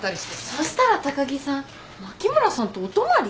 そしたら高木さん牧村さんとお泊まり？